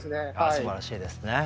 すばらしいですね。